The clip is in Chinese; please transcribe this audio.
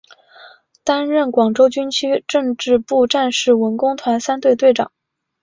担任广州军区政治部战士文工团三队队长。